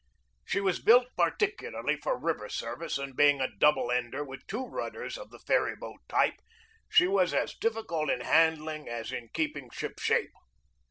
She was built particularly for river service and being a double ender, with two rudders of the ferry boat type, she was as difficult in handling as in keep ing ship shape.